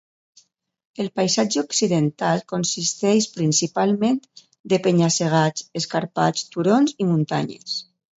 El paisatge occidental consisteix principalment de penya-segats escarpats, turons i muntanyes.